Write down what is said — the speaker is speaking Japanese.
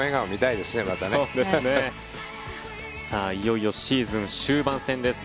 さあ、いよいよシーズン終盤戦です。